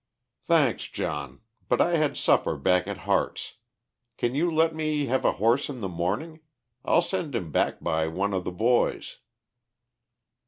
"Thanks, John. But I had supper back at Harte's. Can you let me have a horse in the morning? I'll send him back by one of the boys."